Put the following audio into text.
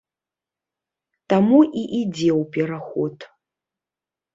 Таму і ідзе ў пераход.